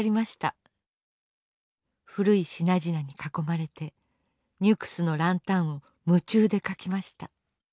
古い品々に囲まれて「ニュクスの角灯」を夢中で描きました。